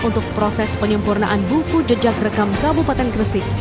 untuk proses penyempurnaan buku jejak rekam kabupaten gresik